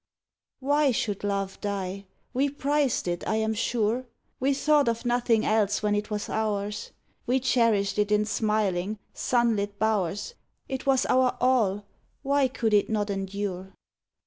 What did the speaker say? Why should love die? We prized it, I am sure; We thought of nothing else when it was ours; We cherished it in smiling, sunlit bowers; It was our all; why could it not endure?